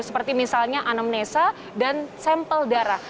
seperti misalnya anamnesa dan sampel darah